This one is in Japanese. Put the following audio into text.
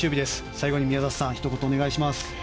最後に宮里さんひと言、お願いします。